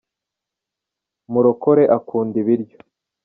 Murokore akunda ibiryo.